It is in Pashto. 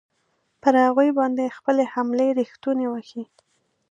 پر هغوی باندې خپلې حملې ریښتوني وښیي.